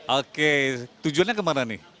oke tujuannya kemana nih